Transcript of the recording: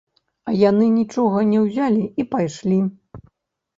А яны нічога не ўзялі і пайшлі.